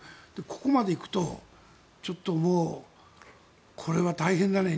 ここまで行くとちょっとこれは大変だね。